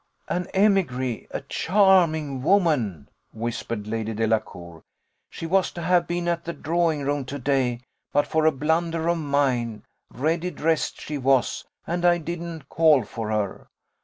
"An émigrée a charming woman!" whispered Lady Delacour "she was to have been at the drawing room to day but for a blunder of mine: ready dressed she was, and I didn't call for her!